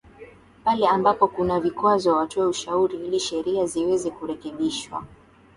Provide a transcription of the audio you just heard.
Pale ambapo kuna vikwazo watoe ushauri ili sheria ziweze kurekebishwa